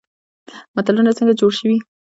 متلونه څنګه جوړ شوي؟